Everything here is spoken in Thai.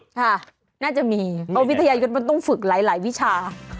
อ่าน่าจะมีเอาวิทยายืนมันต้องฝึกหลายวิชา